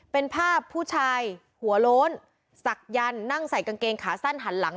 เป็นภาพผู้ชายหัวโล้นศักยันต์นั่งใส่กางเกงขาสั้นหันหลัง